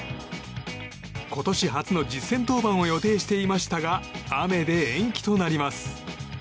今年初の実戦登板を予定していましたが雨で延期となります。